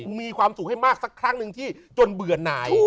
มีความสุขให้มากสักครั้งหนึ่งที่จนเบื่อหน่าย